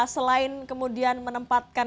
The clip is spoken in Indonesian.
selain kemudian menempatkan